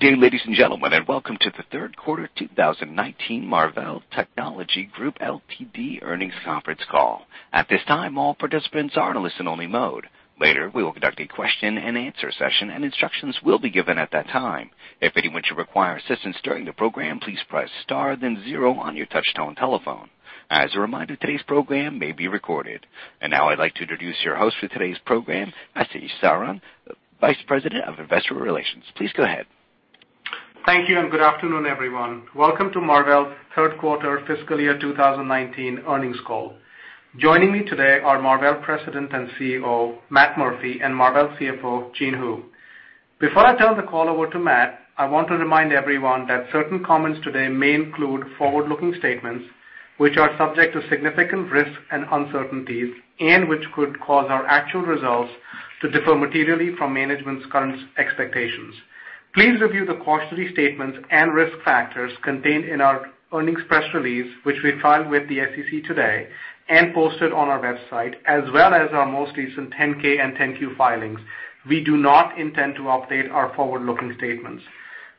Good day, ladies and gentlemen, welcome to the third quarter 2019 Marvell Technology Group Ltd. earnings conference call. At this time, all participants are in listen only mode. Later, we will conduct a question and answer session, and instructions will be given at that time. If anyone should require assistance during the program, please press star then zero on your touchtone telephone. As a reminder, today's program may be recorded. Now I'd like to introduce your host for today's program, Ashish Saran, Vice President of Investor Relations. Please go ahead. Thank you. Good afternoon, everyone. Welcome to Marvell third quarter fiscal year 2019 earnings call. Joining me today are Marvell President and CEO, Matt Murphy, and Marvell CFO, Jean Hu. Before I turn the call over to Matt, I want to remind everyone that certain comments today may include forward-looking statements which are subject to significant risks and uncertainties and which could cause our actual results to differ materially from management's current expectations. Please review the cautionary statements and risk factors contained in our earnings press release, which we filed with the SEC today and posted on our website, as well as our most recent 10-K and 10-Q filings. We do not intend to update our forward-looking statements.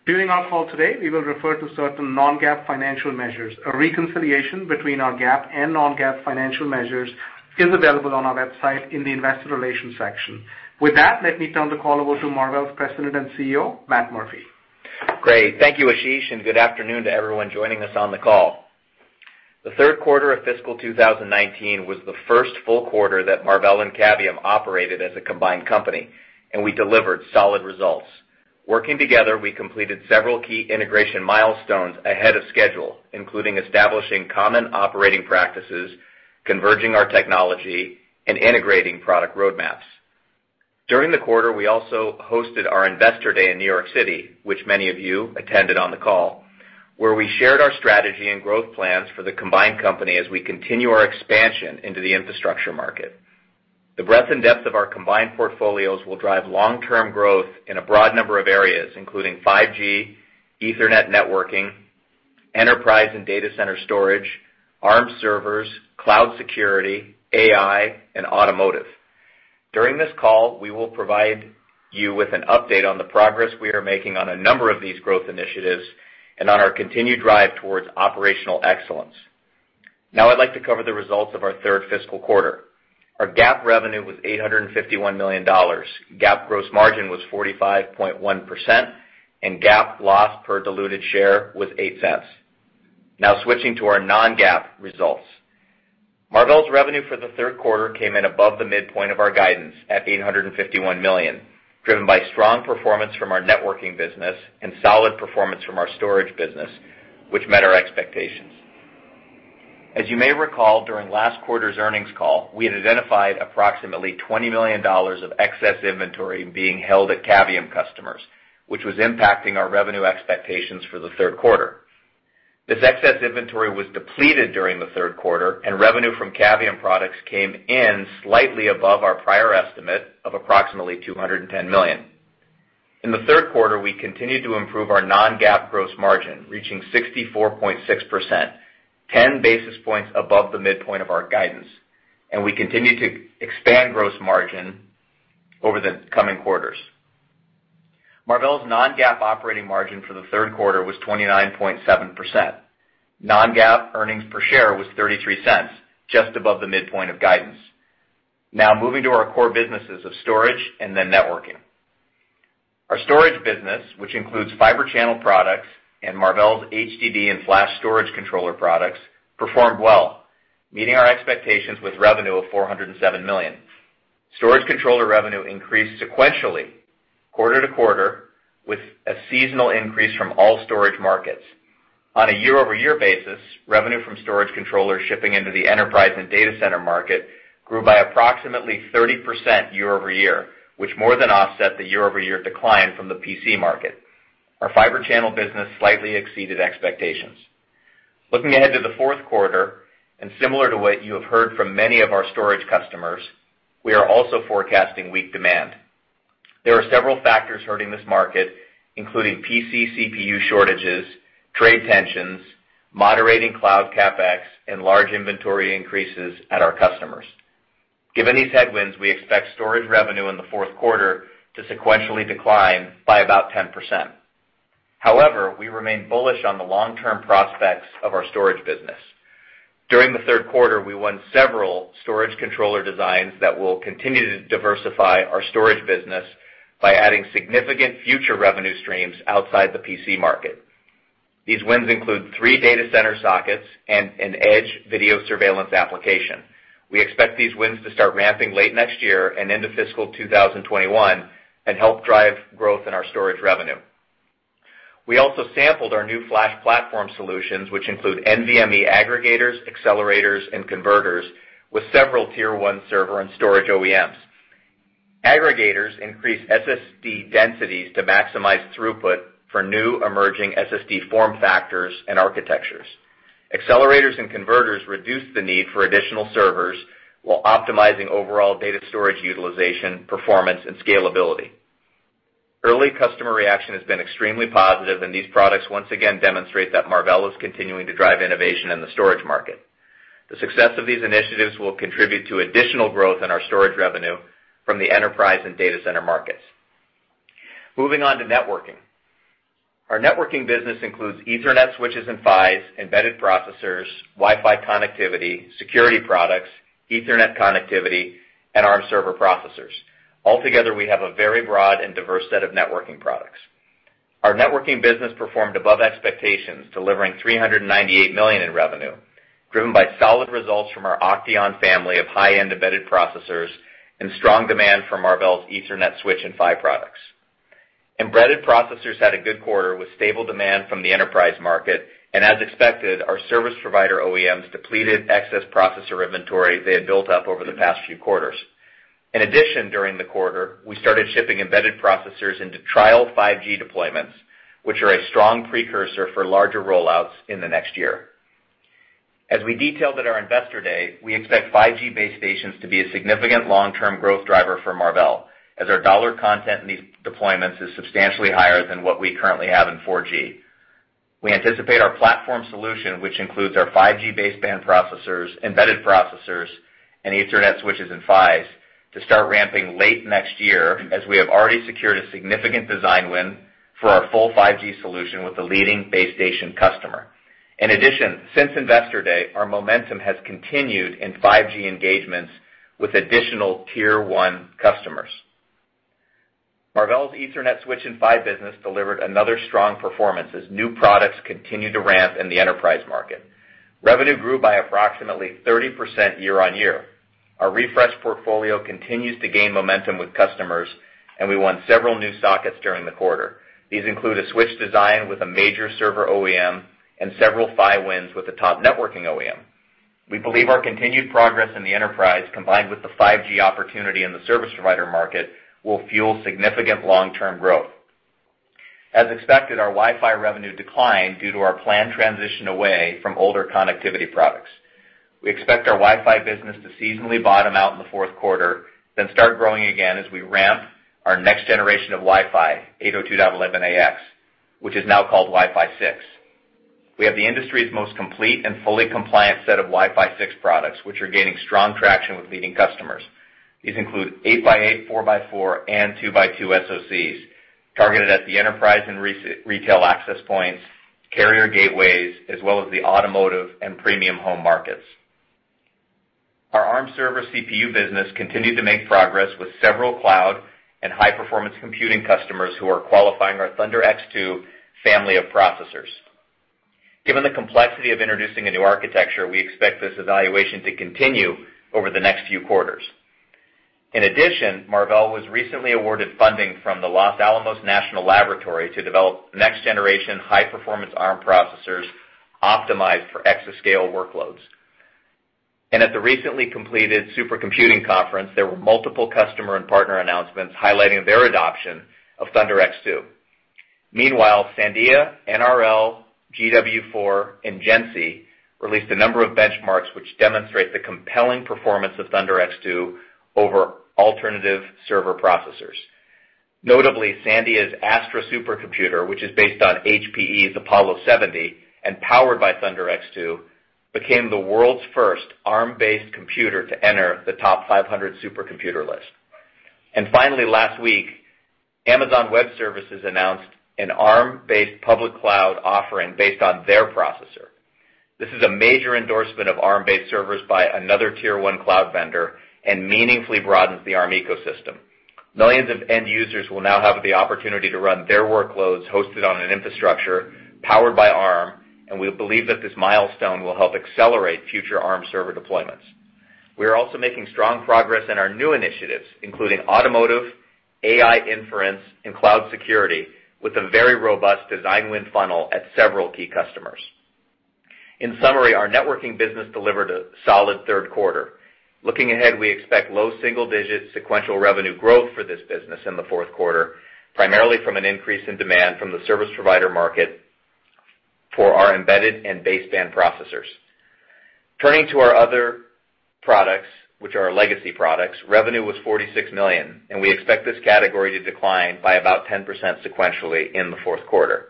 During our call today, we will refer to certain non-GAAP financial measures. A reconciliation between our GAAP and non-GAAP financial measures is available on our website in the investor relations section. With that, let me turn the call over to Marvell's President and CEO, Matt Murphy. Great. Thank you, Ashish. Good afternoon to everyone joining us on the call. The third quarter of fiscal 2019 was the first full quarter that Marvell and Cavium operated as a combined company. We delivered solid results. Working together, we completed several key integration milestones ahead of schedule, including establishing common operating practices, converging our technology, integrating product roadmaps. During the quarter, we also hosted our investor day in New York City, which many of you attended on the call, where we shared our strategy and growth plans for the combined company as we continue our expansion into the infrastructure market. The breadth and depth of our combined portfolios will drive long-term growth in a broad number of areas, including 5G, Ethernet networking, enterprise and data center storage, Arm servers, cloud security, AI, and automotive. During this call, we will provide you with an update on the progress we are making on a number of these growth initiatives and on our continued drive towards operational excellence. I'd like to cover the results of our third fiscal quarter. Our GAAP revenue was $851 million. GAAP gross margin was 45.1%, and GAAP loss per diluted share was $0.08. Switching to our non-GAAP results. Marvell's revenue for the third quarter came in above the midpoint of our guidance at $851 million, driven by strong performance from our networking business and solid performance from our storage business, which met our expectations. As you may recall, during last quarter's earnings call, we had identified approximately $20 million of excess inventory being held at Cavium customers, which was impacting our revenue expectations for the third quarter. This excess inventory was depleted during the third quarter, and revenue from Cavium products came in slightly above our prior estimate of approximately $210 million. In the third quarter, we continued to improve our non-GAAP gross margin, reaching 64.6%, 10 basis points above the midpoint of our guidance, and we continue to expand gross margin over the coming quarters. Marvell's non-GAAP operating margin for the third quarter was 29.7%. Non-GAAP earnings per share was $0.33, just above the midpoint of guidance. Moving to our core businesses of storage and then networking. Our storage business, which includes fiber channel products and Marvell's HDD and flash storage controller products, performed well, meeting our expectations with revenue of $407 million. Storage controller revenue increased sequentially quarter-over-quarter with a seasonal increase from all storage markets. On a year-over-year basis, revenue from storage controller shipping into the enterprise and data center market grew by approximately 30% year-over-year, which more than offset the year-over-year decline from the PC market. Our fiber channel business slightly exceeded expectations. Looking ahead to the fourth quarter, similar to what you have heard from many of our storage customers, we are also forecasting weak demand. There are several factors hurting this market, including PC CPU shortages, trade tensions, moderating cloud CapEx, and large inventory increases at our customers. Given these headwinds, we expect storage revenue in the fourth quarter to sequentially decline by about 10%. However, we remain bullish on the long-term prospects of our storage business. During the third quarter, we won several storage controller designs that will continue to diversify our storage business by adding significant future revenue streams outside the PC market. These wins include three data center sockets and an edge video surveillance application. We expect these wins to start ramping late next year and into fiscal 2021 and help drive growth in our storage revenue. We also sampled our new flash platform solutions, which include NVMe aggregators, accelerators, and converters with several tier 1 server and storage OEMs. Aggregators increase SSD densities to maximize throughput for new emerging SSD form factors and architectures. Accelerators and converters reduce the need for additional servers while optimizing overall data storage utilization, performance, and scalability. Early customer reaction has been extremely positive, and these products once again demonstrate that Marvell is continuing to drive innovation in the storage market. The success of these initiatives will contribute to additional growth in our storage revenue from the enterprise and data center markets. Moving on to networking. Our networking business includes Ethernet switches and PHYs, embedded processors, Wi-Fi connectivity, security products, Ethernet connectivity, Arm server processors. Altogether, we have a very broad and diverse set of networking products. Our networking business performed above expectations, delivering $398 million in revenue, driven by solid results from our OCTEON family of high-end embedded processors and strong demand from Marvell's Ethernet switch and PHY products. Embedded processors had a good quarter, with stable demand from the enterprise market. As expected, our service provider OEMs depleted excess processor inventory they had built up over the past few quarters. In addition, during the quarter, we started shipping embedded processors into trial 5G deployments, which are a strong precursor for larger roll-outs in the next year. As we detailed at our Investor Day, we expect 5G base stations to be a significant long-term growth driver for Marvell, as our dollar content in these deployments is substantially higher than what we currently have in 4G. We anticipate our platform solution, which includes our 5G baseband processors, embedded processors, and Ethernet switches and PHYs, to start ramping late next year, as we have already secured a significant design win for our full 5G solution with a leading base station customer. In addition, since Investor Day, our momentum has continued in 5G engagements with additional tier 1 customers. Marvell's Ethernet switch and PHY business delivered another strong performance as new products continued to ramp in the enterprise market. Revenue grew by approximately 30% year-on-year. Our refresh portfolio continues to gain momentum with customers. We won several new sockets during the quarter. These include a switch design with a major server OEM and several PHY wins with a top networking OEM. We believe our continued progress in the enterprise, combined with the 5G opportunity in the service provider market, will fuel significant long-term growth. As expected, our Wi-Fi revenue declined due to our planned transition away from older connectivity products. We expect our Wi-Fi business to seasonally bottom out in the fourth quarter. Start growing again as we ramp our next generation of Wi-Fi, 802.11ax, which is now called Wi-Fi 6. We have the industry's most complete and fully compliant set of Wi-Fi 6 products, which are gaining strong traction with leading customers. These include 8x8, 4x4, and 2x2 SoCs targeted at the enterprise and retail access points, carrier gateways, as well as the automotive and premium home markets. Our Arm server CPU business continued to make progress with several cloud and high-performance computing customers who are qualifying our ThunderX2 family of processors. Given the complexity of introducing a new architecture, we expect this evaluation to continue over the next few quarters. In addition, Marvell was recently awarded funding from the Los Alamos National Laboratory to develop next-generation high-performance Arm processors optimized for exascale workloads. At the recently completed Supercomputing conference, there were multiple customer and partner announcements highlighting their adoption of ThunderX2. Meanwhile, Sandia, NRL, GW4, and NERSC released a number of benchmarks which demonstrate the compelling performance of ThunderX2 over alternative server processors. Notably, Sandia's Astra supercomputer, which is based on HPE's Apollo 70 and powered by ThunderX2, became the world's first Arm-based computer to enter the top 500 supercomputer list. Finally, last week, Amazon Web Services announced an Arm-based public cloud offering based on their processor. This is a major endorsement of Arm-based servers by another tier 1 cloud vendor and meaningfully broadens the Arm ecosystem. Millions of end users will now have the opportunity to run their workloads hosted on an infrastructure powered by Arm, and we believe that this milestone will help accelerate future Arm server deployments. We are also making strong progress in our new initiatives, including automotive, AI inference, and cloud security, with a very robust design win funnel at several key customers. In summary, our networking business delivered a solid third quarter. Looking ahead, we expect low single-digit sequential revenue growth for this business in the fourth quarter, primarily from an increase in demand from the service provider market for our embedded and baseband processors. Turning to our other products, which are our legacy products, revenue was $46 million, and we expect this category to decline by about 10% sequentially in the fourth quarter.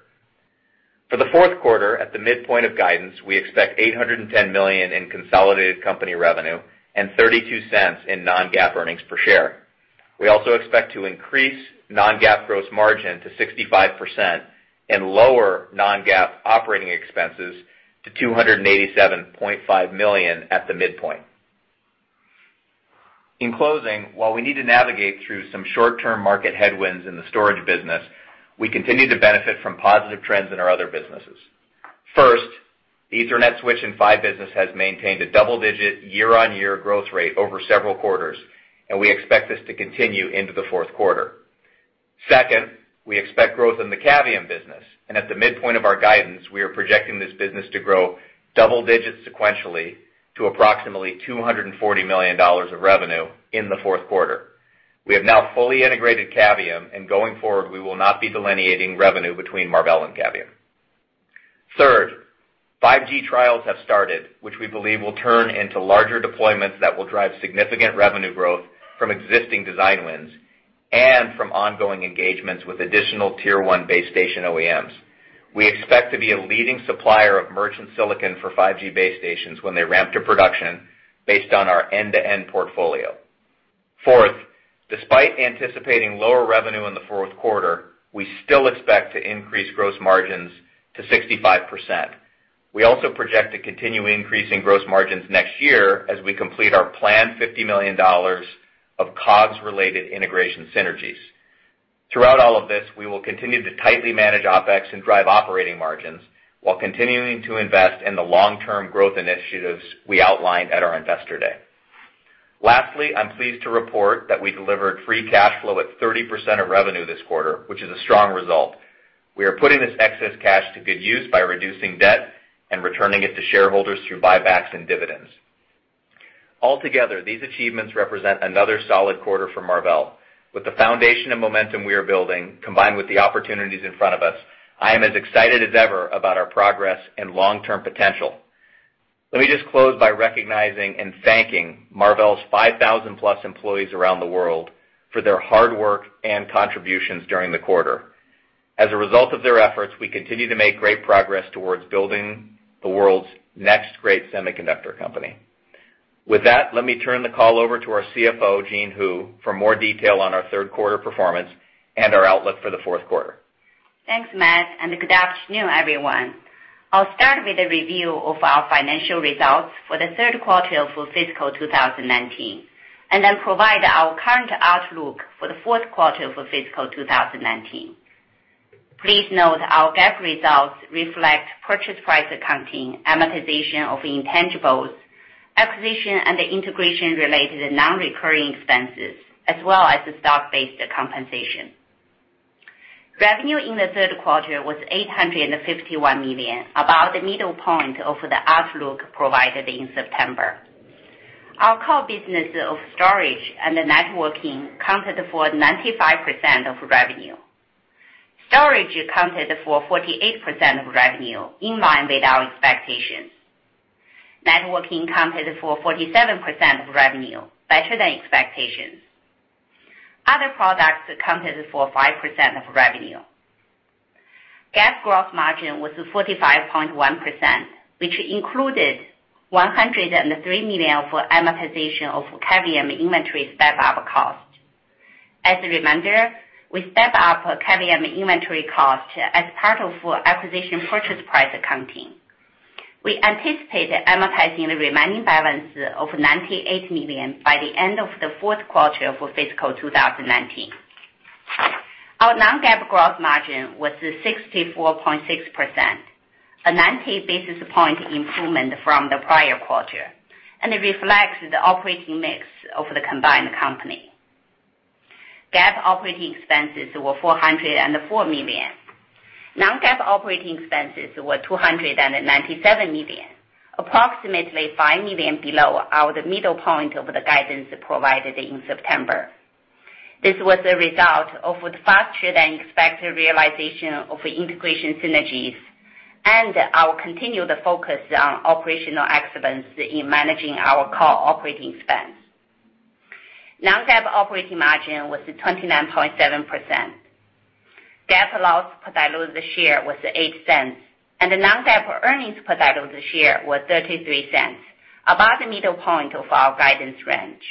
For the fourth quarter, at the midpoint of guidance, we expect $810 million in consolidated company revenue and $0.32 in non-GAAP earnings per share. We also expect to increase non-GAAP gross margin to 65% and lower non-GAAP operating expenses to $287.5 million at the midpoint. In closing, while we need to navigate through some short-term market headwinds in the storage business, we continue to benefit from positive trends in our other businesses. First, the Ethernet switch and PHY business has maintained a double-digit year-on-year growth rate over several quarters, and we expect this to continue into the fourth quarter. Second, we expect growth in the Cavium business, and at the midpoint of our guidance, we are projecting this business to grow double digits sequentially to approximately $240 million of revenue in the fourth quarter. We have now fully integrated Cavium, and going forward, we will not be delineating revenue between Marvell and Cavium. Third, 5G trials have started, which we believe will turn into larger deployments that will drive significant revenue growth from existing design wins and from ongoing engagements with additional tier 1 base station OEMs. We expect to be a leading supplier of merchant silicon for 5G base stations when they ramp to production based on our end-to-end portfolio. Fourth, despite anticipating lower revenue in the fourth quarter, we still expect to increase gross margins to 65%. We also project to continue increasing gross margins next year as we complete our planned $50 million of COGS-related integration synergies. Throughout all of this, we will continue to tightly manage OpEx and drive operating margins while continuing to invest in the long-term growth initiatives we outlined at our investor day. Lastly, I'm pleased to report that we delivered free cash flow at 30% of revenue this quarter, which is a strong result. We are putting this excess cash to good use by reducing debt and returning it to shareholders through buybacks and dividends. Altogether, these achievements represent another solid quarter for Marvell. With the foundation and momentum we are building, combined with the opportunities in front of us, I am as excited as ever about our progress and long-term potential. Let me just close by recognizing and thanking Marvell's 5,000-plus employees around the world for their hard work and contributions during the quarter. As a result of their efforts, we continue to make great progress towards building the world's next great semiconductor company. With that, let me turn the call over to our CFO, Jean Hu, for more detail on our third quarter performance and our outlook for the fourth quarter. Thanks, Matt, good afternoon, everyone. I'll start with a review of our financial results for the third quarter of fiscal 2019. Then provide our current outlook for the fourth quarter of fiscal 2019. Please note our GAAP results reflect purchase price accounting, amortization of intangibles, acquisition and integration related to non-recurring expenses, as well as the stock-based compensation. Revenue in the third quarter was $851 million, about the middle point of the outlook provided in September. Our core business of storage and networking accounted for 95% of revenue. Storage accounted for 48% of revenue, in line with our expectations. Networking accounted for 47% of revenue, better than expectations. Other products accounted for 5% of revenue. GAAP gross margin was 45.1%, which included $103 million for amortization of Cavium inventory step-up cost. As a reminder, we step up Cavium inventory cost as part of our acquisition purchase price accounting. We anticipate amortizing the remaining balance of $98 million by the end of the fourth quarter of fiscal 2019. Our non-GAAP gross margin was 64.6%, a 90 basis point improvement from the prior quarter. It reflects the operating mix of the combined company. GAAP operating expenses were $404 million. Non-GAAP operating expenses were $297 million, approximately $5 million below our middle point of the guidance provided in September. This was a result of the faster than expected realization of integration synergies and our continued focus on operational excellence in managing our core operating expense. Non-GAAP operating margin was 29.7%. GAAP loss per diluted share was $0.08. The non-GAAP earnings per diluted share was $0.33, above the middle point of our guidance range.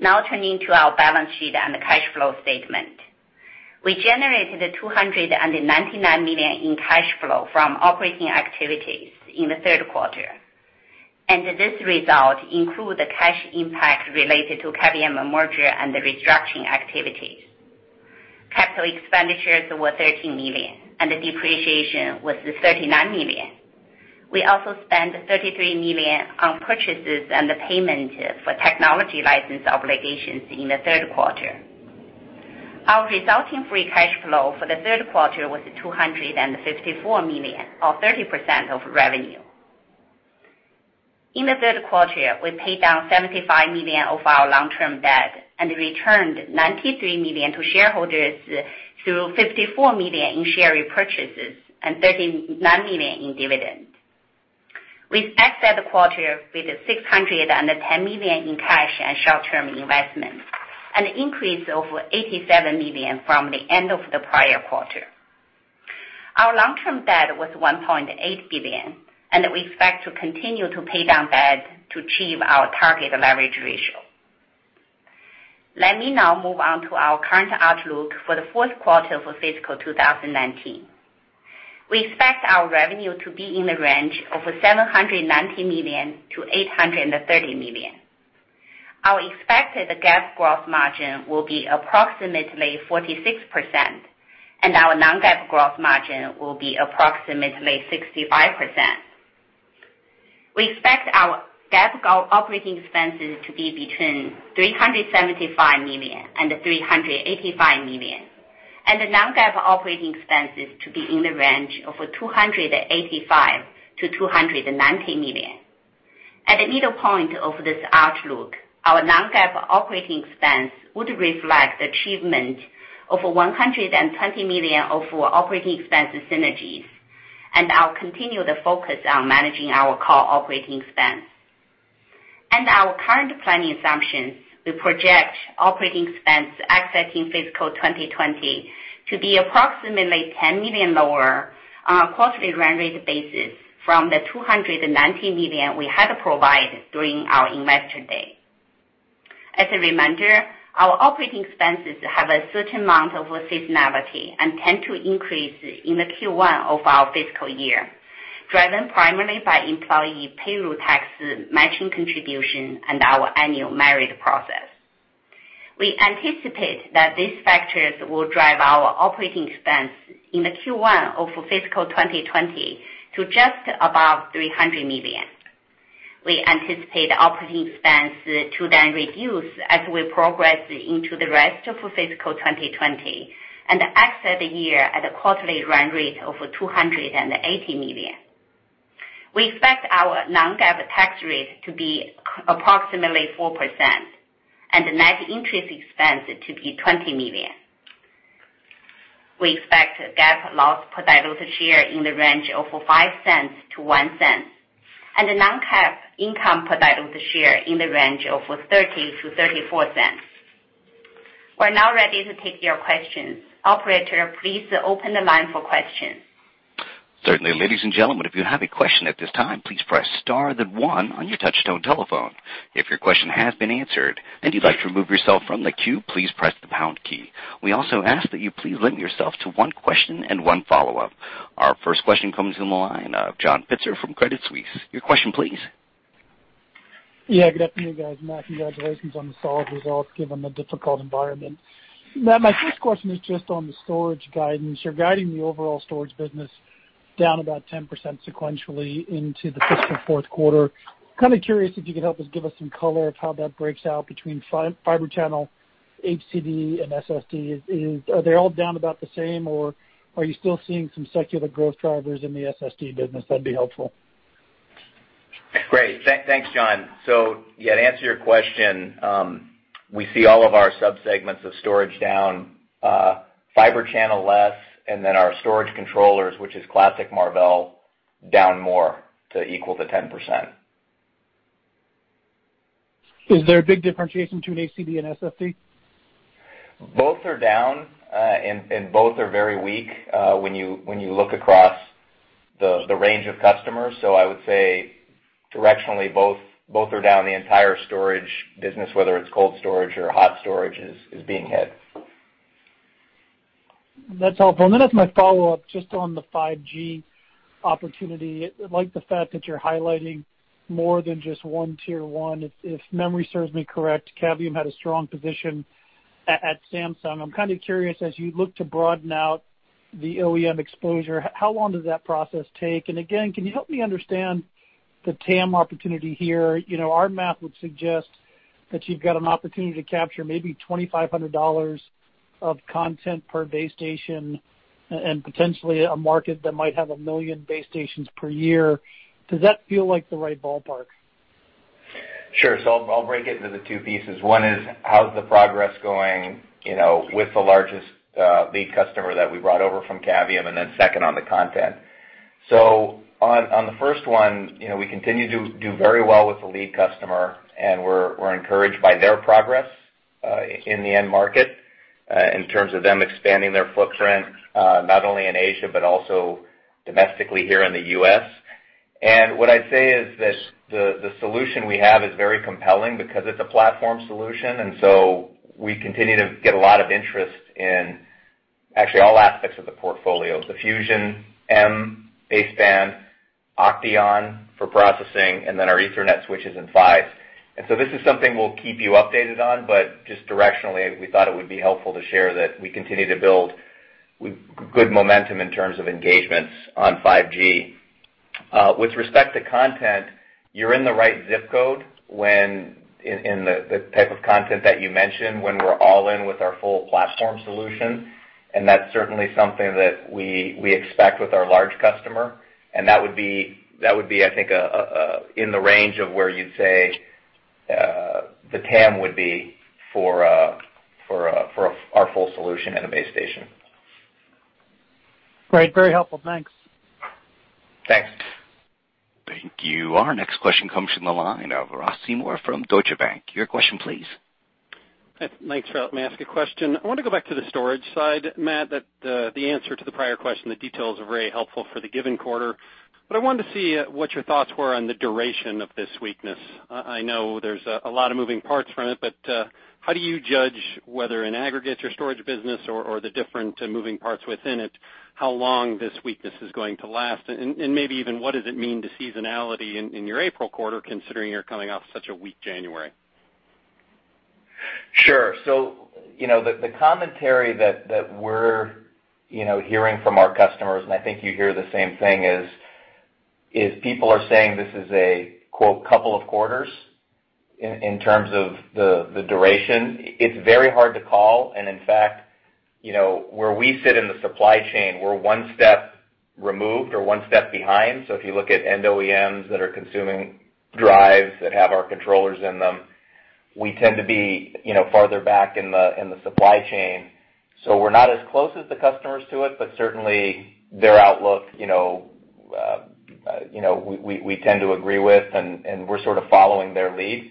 Now turning to our balance sheet and the cash flow statement. We generated $299 million in cash flow from operating activities in the third quarter. This result include the cash impact related to Cavium merger and the restructuring activities. Capital expenditures were $13 million. The depreciation was $39 million. We also spent $33 million on purchases and the payment for technology license obligations in the third quarter. Our resulting free cash flow for the third quarter was $254 million, or 30% of revenue. In the third quarter, we paid down $75 million of our long-term debt and returned $93 million to shareholders through $54 million in share repurchases and $39 million in dividends. We expect that quarter with $610 million in cash and short-term investments, an increase over $87 million from the end of the prior quarter. Our long-term debt was $1.8 billion. Let me now move on to our current outlook for the fourth quarter of fiscal 2019. We expect our revenue to be in the range of $790 million-$830 million. Our expected GAAP gross margin will be approximately 46%, and our non-GAAP gross margin will be approximately 65%. We expect our GAAP operating expenses to be between $375 million and $385 million, and the non-GAAP operating expenses to be in the range of $285 million-$290 million. At the middle point of this outlook, our non-GAAP operating expense would reflect achievement of $120 million of operating expense synergies and our continued focus on managing our core operating expense. Our current planning assumptions, we project operating expense exceeding fiscal 2020 to be approximately $10 million lower on a quarterly run rate basis from the $290 million we had provided during our Investor Day. As a reminder, our operating expenses have a certain amount of seasonality and tend to increase in the Q1 of our fiscal year, driven primarily by employee payroll taxes, matching contribution, and our annual merit process. We anticipate that these factors will drive our operating expense in the Q1 of fiscal 2020 to just above $300 million. We anticipate operating expense to then reduce as we progress into the rest of fiscal 2020 and exit the year at a quarterly run rate of $280 million. We expect our non-GAAP tax rate to be approximately 4% and net interest expense to be $20 million. We expect GAAP loss per diluted share in the range of $0.05-$0.01 and non-GAAP income per diluted share in the range of $0.30-$0.34. We're now ready to take your questions. Operator, please open the line for questions. Certainly. Ladies and gentlemen, if you have a question at this time, please press star then one on your touchtone telephone. If your question has been answered and you'd like to remove yourself from the queue, please press the pound key. We also ask that you please limit yourself to one question and one follow-up. Our first question comes from the line of John Pitzer from Credit Suisse. Your question, please. Good afternoon, guys. Matt, congratulations on the solid results given the difficult environment. Matt, my first question is just on the storage guidance. You're guiding the overall storage business down about 10% sequentially into the fiscal fourth quarter. Curious if you could help us give us some color of how that breaks out between fiber channel, HDD and SSD. Are they all down about the same, or are you still seeing some secular growth drivers in the SSD business? That'd be helpful. Great. Thanks, John. To answer your question, we see all of our sub-segments of storage down, fiber channel less, and then our storage controllers, which is classic Marvell, down more to equal to 10%. Is there a big differentiation between HDD and SSD? Both are down, and both are very weak when you look across the range of customers. I would say directionally, both are down the entire storage business, whether it's cold storage or hot storage, is being hit. That's helpful. As my follow-up, just on the 5G opportunity, I like the fact that you're highlighting more than just one tier 1. If memory serves me correct, Cavium had a strong position at Samsung. I'm curious, as you look to broaden out the OEM exposure, how long does that process take? Again, can you help me understand the TAM opportunity here? Our math would suggest that you've got an opportunity to capture maybe $2,500 of content per base station and potentially a market that might have 1 million base stations per year. Does that feel like the right ballpark? Sure. I'll break it into the 2 pieces. 1 is how's the progress going with the largest lead customer that we brought over from Cavium, second on the content. On the first 1, we continue to do very well with the lead customer, we're encouraged by their progress, in the end market, in terms of them expanding their footprint, not only in Asia, but also domestically here in the U.S. What I'd say is that the solution we have is very compelling because it's a platform solution, we continue to get a lot of interest in actually all aspects of the portfolio, the Fusion-M baseband, OCTEON for processing, then our Ethernet switches in PHY. This is something we'll keep you updated on, but just directionally, we thought it would be helpful to share that we continue to build good momentum in terms of engagements on 5G. With respect to content, you're in the right ZIP code when in the type of content that you mentioned when we're all in with our full platform solution, that's certainly something that we expect with our large customer, that would be I think in the range of where you'd say, the TAM would be for our full solution at a base station. Great, very helpful. Thanks. Thanks. Thank you. Our next question comes from the line of Ross Seymore from Deutsche Bank. Your question, please. Thanks for letting me ask a question. I want to go back to the storage side, Matt. The answer to the prior question, the details are very helpful for the given quarter, I wanted to see what your thoughts were on the duration of this weakness. I know there's a lot of moving parts from it, how do you judge whether in aggregate your storage business or the different moving parts within it, how long this weakness is going to last? Maybe even what does it mean to seasonality in your April quarter, considering you're coming off such a weak January? Sure. The commentary that we're hearing from our customers, I think you hear the same thing, is people are saying this is a, quote, "couple of quarters" in terms of the duration. It's very hard to call, in fact, where we sit in the supply chain, we're one step removed or one step behind. If you look at end OEMs that are consuming drives that have our controllers in them. We tend to be farther back in the supply chain. We're not as close as the customers to it, certainly their outlook, we tend to agree with, we're sort of following their lead.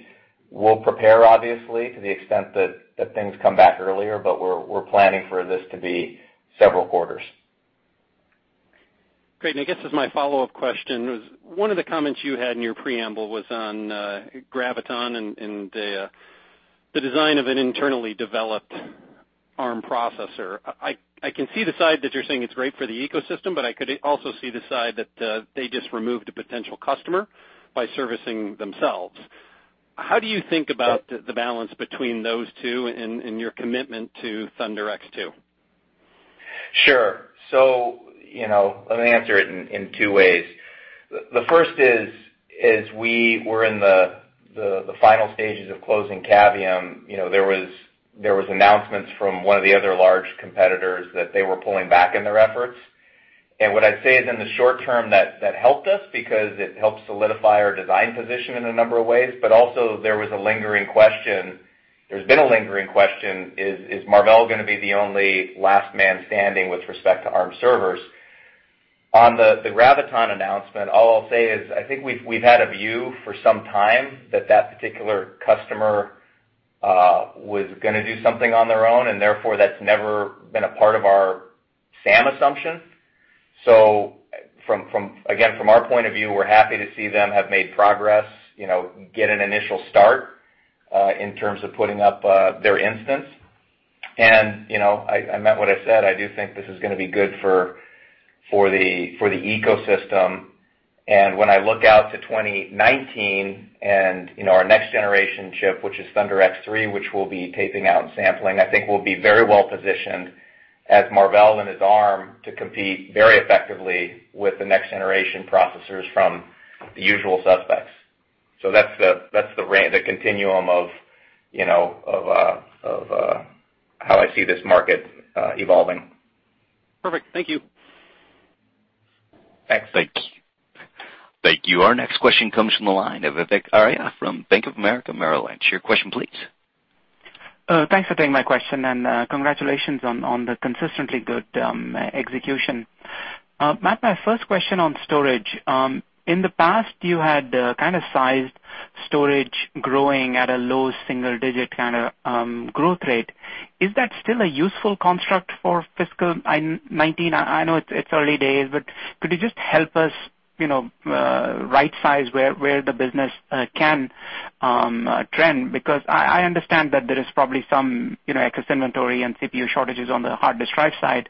We'll prepare, obviously, to the extent that things come back earlier, we're planning for this to be several quarters. Great. I guess as my follow-up question was, one of the comments you had in your preamble was on Graviton and the design of an internally developed Arm processor. I can see the side that you're saying it's great for the ecosystem, I could also see the side that they just removed a potential customer by servicing themselves. How do you think about the balance between those two and your commitment to ThunderX2? Let me answer it in two ways. The first is, as we were in the final stages of closing Cavium, there was announcements from one of the other large competitors that they were pulling back in their efforts. What I'd say is in the short term that helped us because it helped solidify our design position in a number of ways. Also there was a lingering question, there's been a lingering question, is Marvell going to be the only last man standing with respect to Arm servers? On the Graviton announcement, all I'll say is, I think we've had a view for some time that that particular customer was going to do something on their own, therefore that's never been a part of our SAM assumption. Again, from our point of view, we're happy to see them have made progress, get an initial start in terms of putting up their instance. I meant what I said, I do think this is going to be good for the ecosystem. When I look out to 2019 and our next generation chip, which is ThunderX3, which we'll be taping out and sampling, I think we'll be very well-positioned as Marvell and as Arm to compete very effectively with the next-generation processors from the usual suspects. That's the continuum of how I see this market evolving. Perfect. Thank you. Thanks. Thank you. Our next question comes from the line of Vivek Arya from Bank of America Merrill Lynch. Your question please. Thanks for taking my question, and congratulations on the consistently good execution. Matt, my first question on storage. In the past, you had kind of sized storage growing at a low single-digit kind of growth rate. Is that still a useful construct for fiscal 2019? I know it's early days, but could you just help us right-size where the business can trend? Because I understand that there is probably some excess inventory and CPU shortages on the hard disk drive side,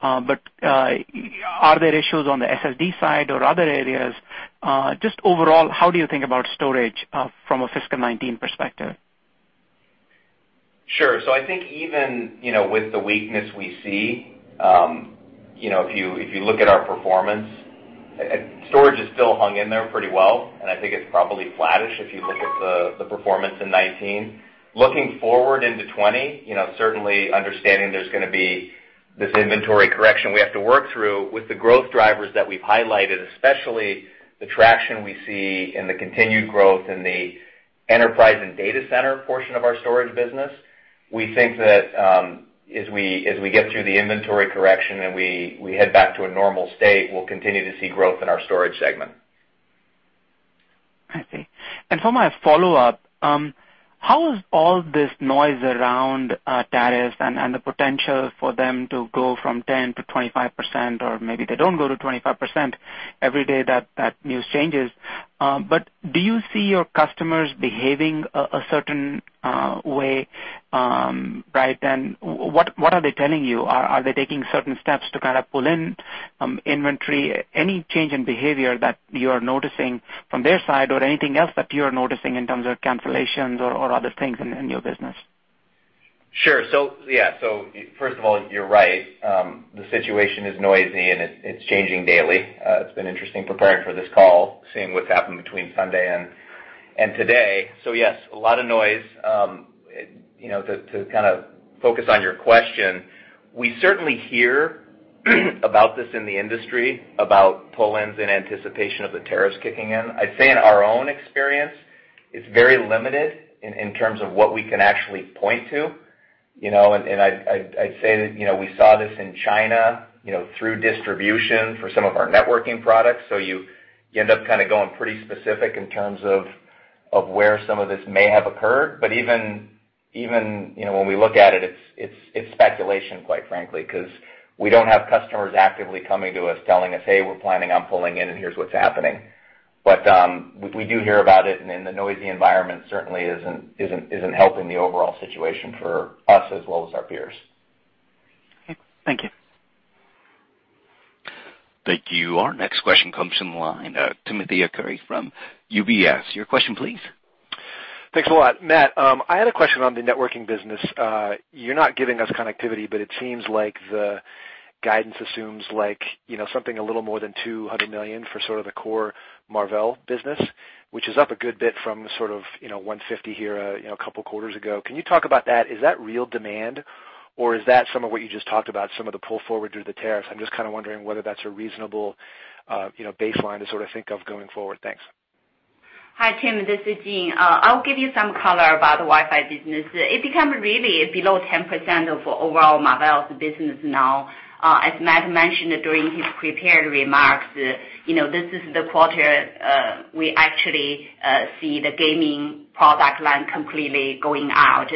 but are there issues on the SSD side or other areas? Just overall, how do you think about storage from a fiscal 2019 perspective? Sure. I think even with the weakness we see, if you look at our performance, storage is still hung in there pretty well, and I think it's probably flattish if you look at the performance in 2019. Looking forward into 2020, certainly understanding there's going to be this inventory correction we have to work through with the growth drivers that we've highlighted, especially the traction we see and the continued growth in the enterprise and data center portion of our storage business. We think that as we get through the inventory correction and we head back to a normal state, we'll continue to see growth in our storage segment. I see. For my follow-up, how is all this noise around tariffs and the potential for them to go from 10% to 25%, or maybe they don't go to 25%, every day that news changes. Do you see your customers behaving a certain way? What are they telling you? Are they taking certain steps to kind of pull in inventory? Any change in behavior that you are noticing from their side or anything else that you are noticing in terms of cancellations or other things in your business? Sure. First of all, you're right. The situation is noisy, and it's changing daily. It's been interesting preparing for this call, seeing what's happened between Sunday and today. Yes, a lot of noise. To kind of focus on your question, we certainly hear about this in the industry, about pull-ins in anticipation of the tariffs kicking in. I'd say in our own experience, it's very limited in terms of what we can actually point to. I'd say that we saw this in China through distribution for some of our networking products. You end up kind of going pretty specific in terms of where some of this may have occurred. We look at it's speculation, quite frankly, because we don't have customers actively coming to us telling us, "Hey, we're planning on pulling in, and here's what's happening." We do hear about it, and the noisy environment certainly isn't helping the overall situation for us as well as our peers. Okay. Thank you. Thank you. Our next question comes from the line. Timothy Arcuri from UBS. Your question, please. Thanks a lot. Matt, I had a question on the networking business. You're not giving us connectivity, it seems like the guidance assumes something a little more than $200 million for sort of the core Marvell business, which is up a good bit from sort of $150 here a couple of quarters ago. Can you talk about that? Is that real demand Or is that some of what you just talked about, some of the pull forward due to the tariffs? I'm just kind of wondering whether that's a reasonable baseline to sort of think of going forward. Thanks. Hi, Tim. This is Jean. I'll give you some color about the Wi-Fi business. It became really below 10% of overall Marvell's business now. As Matt mentioned during his prepared remarks, this is the quarter we actually see the gaming product line completely going out.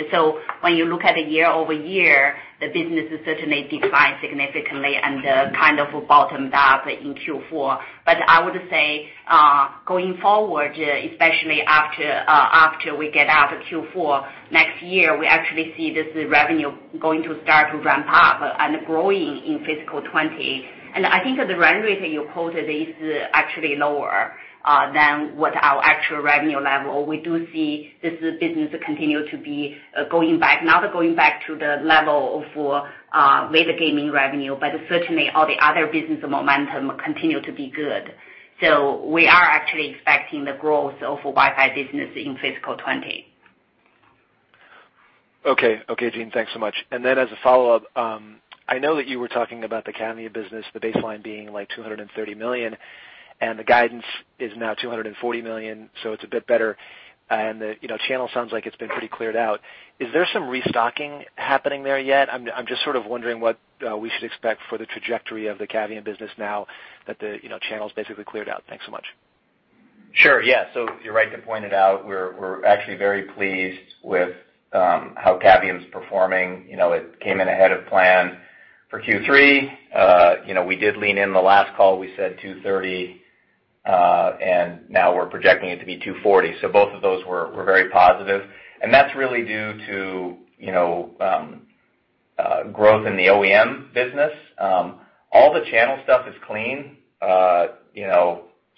When you look at it year-over-year, the business has certainly declined significantly and kind of bottomed out in Q4. I would say, going forward, especially after we get out of Q4 next year, we actually see this revenue going to start to ramp up and growing in fiscal 2020. I think the run rate that you quoted is actually lower than what our actual revenue level. We do see this business continue to be going back, not going back to the level of with the gaming revenue, but certainly all the other business momentum continue to be good. We are actually expecting the growth of Wi-Fi business in fiscal 2020. Okay, Jean. Thanks so much. As a follow-up, I know that you were talking about the Cavium business, the baseline being like $230 million. The guidance is now $240 million. It's a bit better. The channel sounds like it's been pretty cleared out. Is there some restocking happening there yet? I'm just sort of wondering what we should expect for the trajectory of the Cavium business now that the channel's basically cleared out. Thanks so much. Sure, yeah. You're right to point it out. We're actually very pleased with how Cavium's performing. It came in ahead of plan for Q3. We did lean in the last call, we said $230. Now we're projecting it to be $240. Both of those were very positive, and that's really due to growth in the OEM business. All the channel stuff is clean.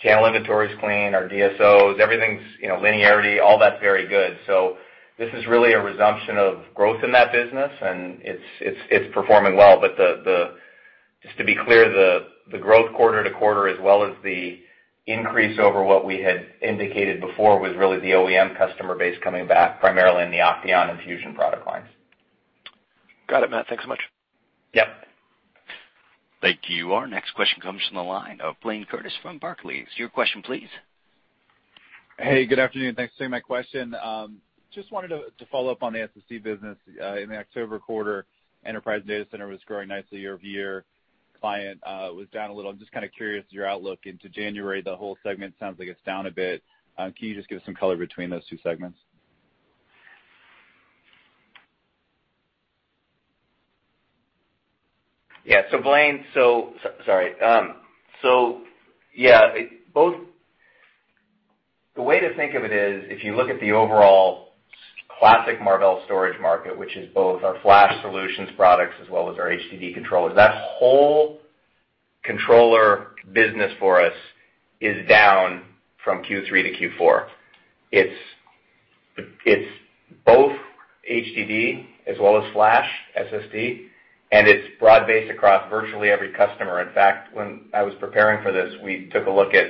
Channel inventory's clean, our DSOs, everything's linearity, all that's very good. This is really a resumption of growth in that business, and it's performing well. Just to be clear, the growth quarter-to-quarter as well as the increase over what we had indicated before was really the OEM customer base coming back, primarily in the OCTEON and Fusion product lines. Got it, Matt. Thanks so much. Yep. Thank you. Our next question comes from the line of Blayne Curtis from Barclays. Your question, please. Hey, good afternoon. Thanks for taking my question. Just wanted to follow up on the SSD business. In the October quarter, enterprise data center was growing nicely year-over-year. Client was down a little. I'm just kind of curious your outlook into January. The whole segment sounds like it's down a bit. Can you just give us some color between those two segments? Yeah. Blayne, yeah, the way to think of it is, if you look at the overall classic Marvell storage market, which is both our flash solutions products as well as our HDD controllers, that whole controller business for us is down from Q3 to Q4. It's both HDD as well as flash, SSD, and it's broad-based across virtually every customer. In fact, when I was preparing for this, we took a look at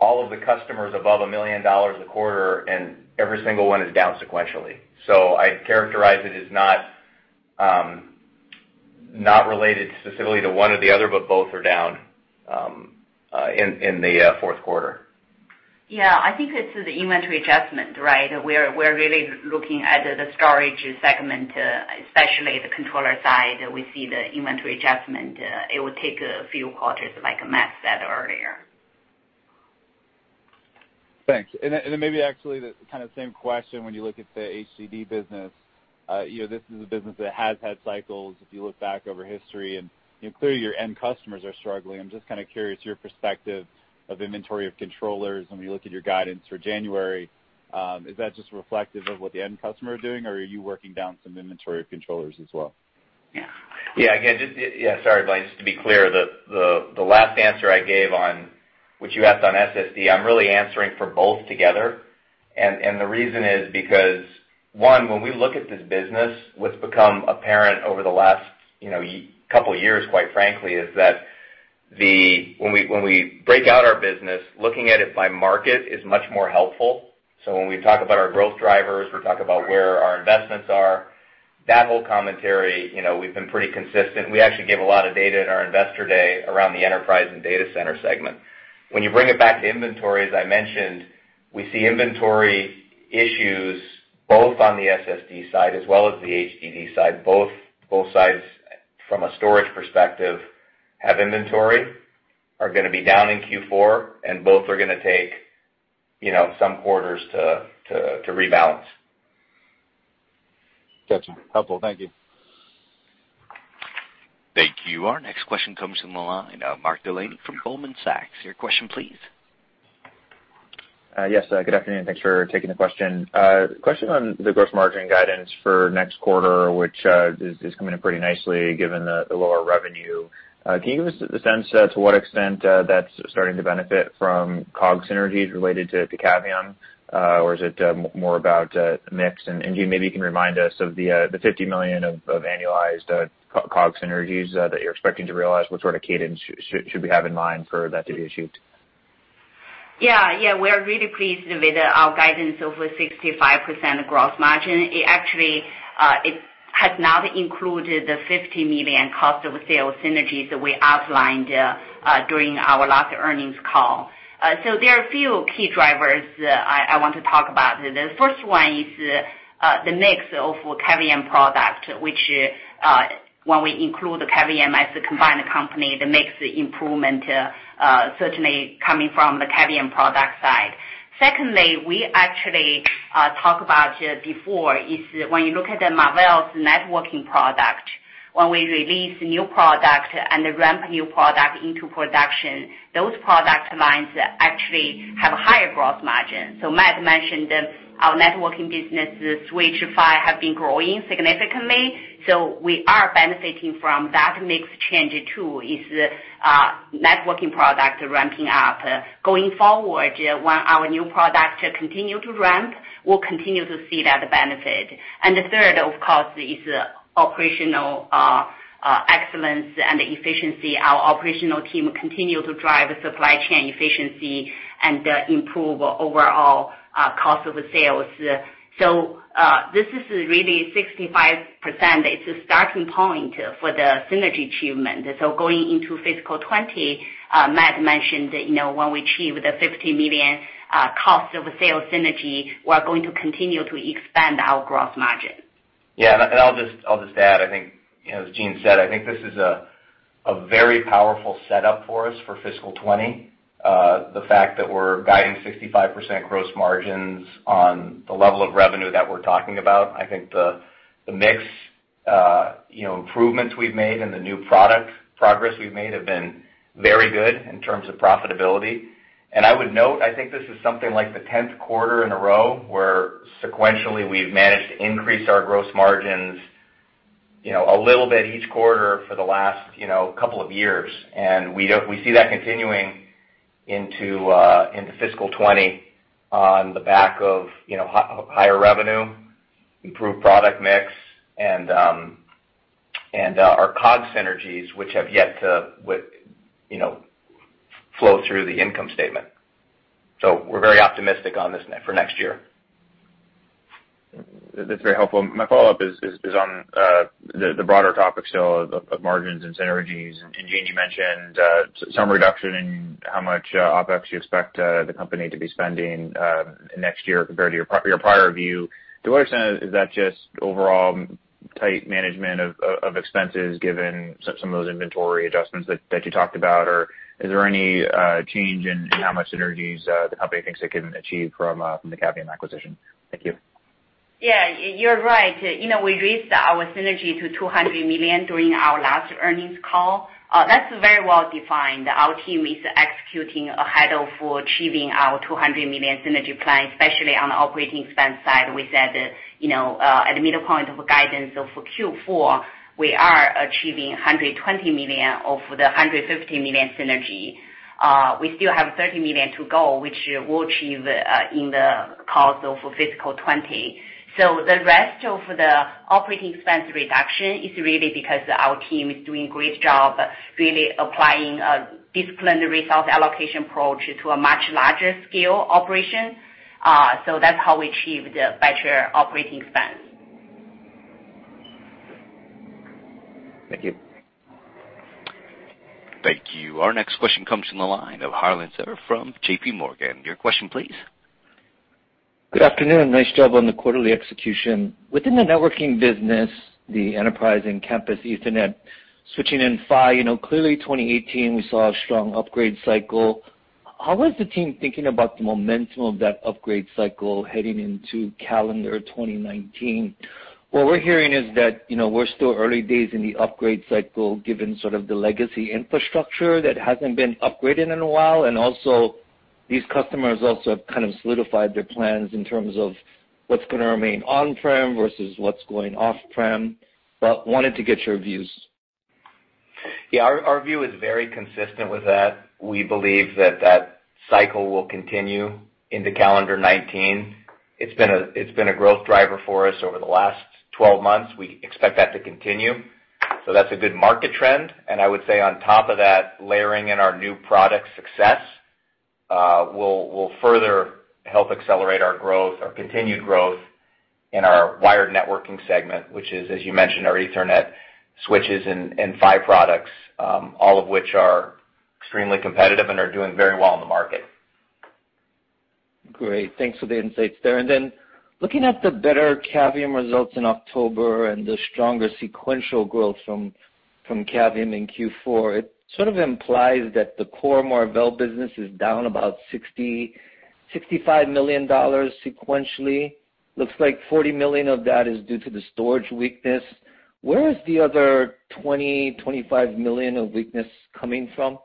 all of the customers above $1 million a quarter, and every single one is down sequentially. I'd characterize it as not related specifically to one or the other, but both are down in the fourth quarter. Yeah, I think it's the inventory adjustment, right? We're really looking at the storage segment, especially the controller side. We see the inventory adjustment. It will take a few quarters, like Matt said earlier. Thanks. Then maybe actually the kind of same question when you look at the HDD business. This is a business that has had cycles, if you look back over history, and clearly, your end customers are struggling. I'm just kind of curious your perspective of inventory of controllers when we look at your guidance for January. Is that just reflective of what the end customer are doing, or are you working down some inventory of controllers as well? Yeah. Again, Yeah, sorry, Blayne, just to be clear, the last answer I gave on what you asked on SSD, I'm really answering for both together. The reason is because, one, when we look at this business, what's become apparent over the last couple of years, quite frankly, is that when we break out our business, looking at it by market is much more helpful. When we talk about our growth drivers, we talk about where our investments are, that whole commentary, we've been pretty consistent. We actually gave a lot of data at our investor day around the enterprise and data center segment. When you bring it back to inventory, as I mentioned, we see inventory issues both on the SSD side as well as the HDD side. Both sides, from a storage perspective, have inventory, are going to be down in Q4, both are going to take some quarters to rebalance. Got you. Helpful. Thank you. Thank you. Our next question comes from the line of Mark Delaney from Goldman Sachs. Your question, please. Yes, good afternoon. Thanks for taking the question. Question on the gross margin guidance for next quarter, which is coming in pretty nicely given the lower revenue. Can you give us a sense to what extent that's starting to benefit from COGS synergies related to Cavium? Or is it more about mix? And Jean, maybe you can remind us of the $50 million of annualized COGS synergies that you're expecting to realize. What sort of cadence should we have in mind for that to be achieved? We are really pleased with our guidance over 65% gross margin. It actually has not included the $50 million cost of sales synergies that we outlined during our last earnings call. There are a few key drivers that I want to talk about. The first one is the mix of Cavium product, which when we include Cavium as a combined company, the mix improvement certainly coming from the Cavium product side. Secondly, we actually talk about before is when you look at the Marvell's networking product, when we release new product and ramp new product into production, those product lines actually have a higher gross margin. Matt mentioned our networking business, switch PHY, have been growing significantly. We are benefiting from that mix change, too, is networking product ramping up. Going forward, when our new product continue to ramp, we'll continue to see that benefit. The third, of course, is operational excellence and efficiency. Our operational team continue to drive supply chain efficiency and improve overall cost of sales. This is really 65%. It's a starting point for the synergy achievement. Going into fiscal 2020, Matt mentioned when we achieve the $50 million cost of sales synergy, we are going to continue to expand our gross margin. Yeah. I'll just add, I think, as Jean said, I think this is a very powerful setup for us for fiscal 2020. The fact that we're guiding 65% gross margins on the level of revenue that we're talking about, I think the mix improvements we've made and the new product progress we've made have been very good in terms of profitability. I would note, I think this is something like the 10th quarter in a row where sequentially we've managed to increase our gross margins a little bit each quarter for the last couple of years. We see that continuing into fiscal 2020 on the back of higher revenue, improved product mix, and our COGS synergies, which have yet to flow through the income statement. We're very optimistic on this for next year. That's very helpful. My follow-up is on the broader topic, of margins and synergies. Jean, you mentioned some reduction in how much OpEx you expect the company to be spending next year compared to your prior view. To what extent is that just overall tight management of expenses given some of those inventory adjustments that you talked about? Or is there any change in how much synergies the company thinks it can achieve from the Cavium acquisition? Thank you. Yeah, you're right. We raised our synergy to $200 million during our last earnings call. That's very well defined. Our team is executing ahead of achieving our $200 million synergy plan, especially on the operating expense side. We said at the middle point of guidance of Q4, we are achieving $120 million of the $150 million synergy. We still have $30 million to go, which we'll achieve in the course of fiscal 2020. The rest of the operating expense reduction is really because our team is doing great job really applying a disciplined resource allocation approach to a much larger scale operation. That's how we achieve the better operating expense. Thank you. Thank you. Our next question comes from the line of Harlan Sur from JPMorgan. Your question please. Good afternoon. Nice job on the quarterly execution. Within the networking business, the enterprise and campus Ethernet switching and PHY, clearly 2018 we saw a strong upgrade cycle. How is the team thinking about the momentum of that upgrade cycle heading into calendar 2019? What we're hearing is that we're still early days in the upgrade cycle, given sort of the legacy infrastructure that hasn't been upgraded in a while. Also, these customers also have kind of solidified their plans in terms of what's going to remain on-prem versus what's going off-prem, wanted to get your views. Yeah, our view is very consistent with that. We believe that that cycle will continue into calendar 2019. It's been a growth driver for us over the last 12 months. We expect that to continue. That's a good market trend. I would say on top of that, layering in our new product success will further help accelerate our growth, our continued growth in our wired networking segment, which is, as you mentioned, our Ethernet switches and PHY products, all of which are extremely competitive and are doing very well in the market. Great. Thanks for the insights there. Looking at the better Cavium results in October and the stronger sequential growth from Cavium in Q4, it sort of implies that the core Marvell business is down about $65 million sequentially. Looks like $40 million of that is due to the storage weakness. Where is the other $20 million, $25 million of weakness coming from?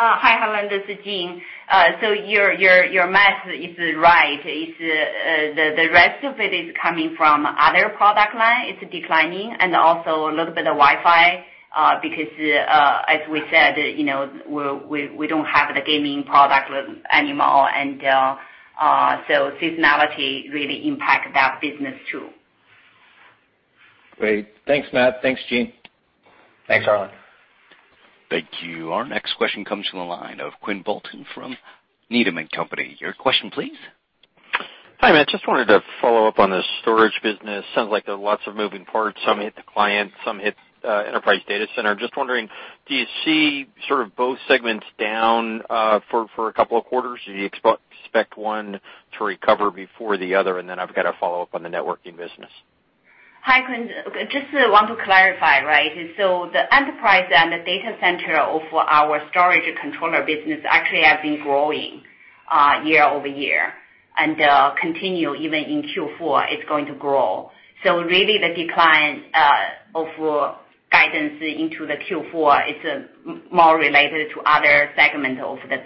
Hi, Harlan, this is Jean. Your math is right. The rest of it is coming from other product line. It's declining and also a little bit of Wi-Fi, because as we said, we don't have the gaming product anymore. And seasonality really impact that business, too. Great. Thanks, Matt. Thanks, Jean. Thanks, Harlan. Thank you. Our next question comes from the line of Quinn Bolton from Needham & Company. Your question, please. Hi, Matt. Just wanted to follow up on the storage business. Sounds like there are lots of moving parts. Some hit the client, some hit enterprise data center. Just wondering, do you see both segments down for a couple of quarters? Do you expect one to recover before the other? I've got a follow-up on the networking business. Hi, Quinn. Just want to clarify, right? The enterprise and the data center of our storage controller business actually have been growing year-over-year and continue even in Q4, it's going to grow. Really the decline of guidance into the Q4, it's more related to other segments of the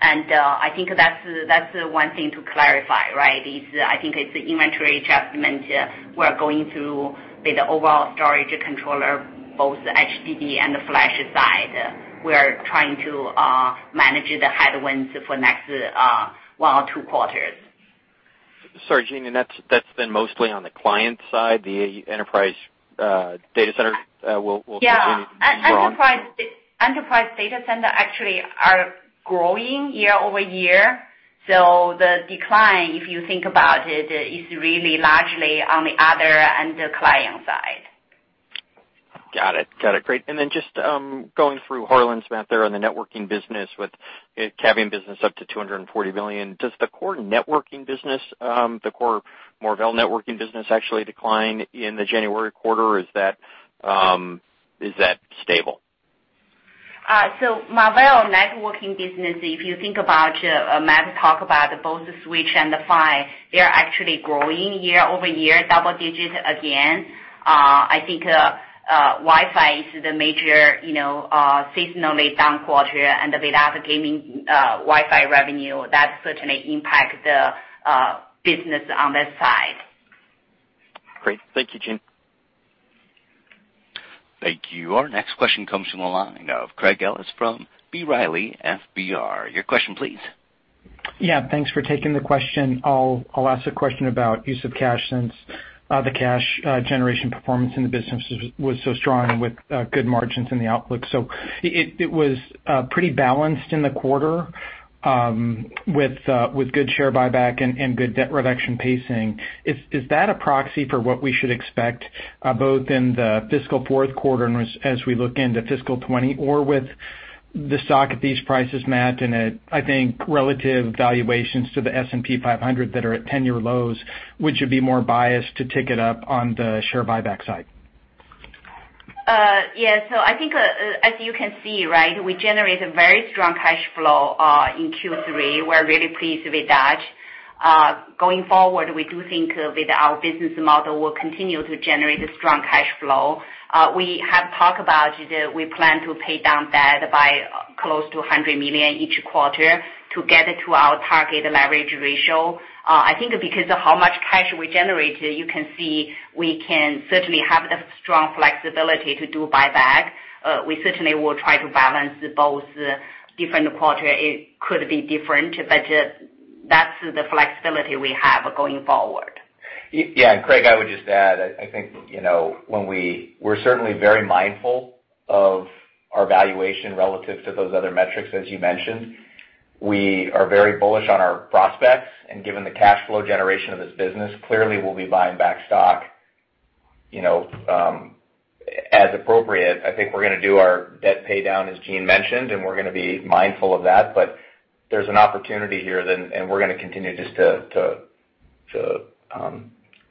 business. I think that's one thing to clarify, right? I think it's the inventory adjustment we're going through with the overall storage controller, both HDD and the flash side. We are trying to manage the headwinds for next one or two quarters. Sorry, Jean. That's been mostly on the client side, the enterprise data center will continue to be strong? Yeah. Enterprise data center actually are growing year-over-year. The decline, if you think about it, is really largely on the other and the client side. Got it. Great. Then just going through, Harlan's been out there on the networking business with Cavium business up to $240 million. Does the core networking business, the core Marvell networking business, actually decline in the January quarter? Is that stable? Marvell networking business, if you think about, Matt talked about both the switch and the PHY, they are actually growing year-over-year, double-digit again. I think Wi-Fi is the major seasonally down quarter, and with that gaming Wi-Fi revenue, that certainly impact the business on that side. Great. Thank you, Jean. Thank you. Our next question comes from the line of Craig Ellis from B. Riley FBR. Your question, please. Yeah, thanks for taking the question. I'll ask a question about use of cash since the cash generation performance in the business was so strong and with good margins in the outlook. It was pretty balanced in the quarter with good share buyback and good debt reduction pacing. Is that a proxy for what we should expect both in the fiscal fourth quarter and as we look into fiscal 2020? With the stock at these prices, Matt, and at, I think, relative valuations to the S&P 500 that are at 10-year lows, would you be more biased to tick it up on the share buyback side? Yeah. I think as you can see, right? We generated very strong cash flow in Q3. We're really pleased with that. Going forward, we do think with our business model, we'll continue to generate a strong cash flow. We have talked about we plan to pay down debt by close to $100 million each quarter to get to our target leverage ratio. I think because of how much cash we generate, you can see we can certainly have the strong flexibility to do buyback. We certainly will try to balance both different quarter. It could be different, but that's the flexibility we have going forward. Yeah. Craig, I would just add, I think we're certainly very mindful of our valuation relative to those other metrics, as you mentioned. We are very bullish on our prospects, and given the cash flow generation of this business, clearly we'll be buying back stock as appropriate. I think we're going to do our debt pay down, as Jean mentioned, and we're going to be mindful of that. There's an opportunity here, and we're going to continue just to